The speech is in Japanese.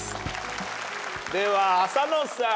では浅野さん。